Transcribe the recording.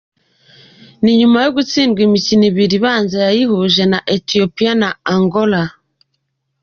Ni nyuma yo gutsinda imikino ibiri ibanza yayihuje na Ethiopia na Angola.